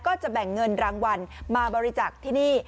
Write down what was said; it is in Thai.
ก็จะแบ่งเงินรางวัลมาบริจักษ์ที่นี่